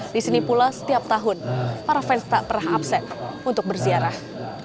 di sini pula setiap tahun para fans tak pernah absen untuk berziarah